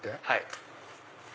はい。